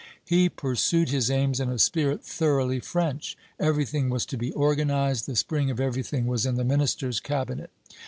He pursued his aims in a spirit thoroughly French. Everything was to be organized, the spring of everything was in the minister's cabinet.